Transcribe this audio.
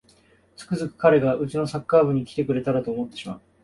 つくづく彼がうちのサッカー部に来てくれたらと思ってしまう